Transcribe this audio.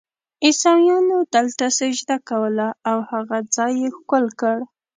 عیسویانو دلته سجده کوله او هغه ځای یې ښکل کړ.